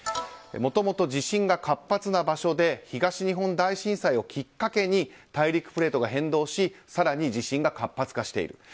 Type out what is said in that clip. もともと地震が活発な場所で東日本大震災をきっかけに大陸プレートが変動し更に地震が活発化している。